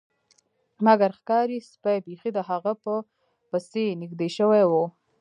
مګر ښکاري سپي بیخي د هغه په پسې نږدې شوي وو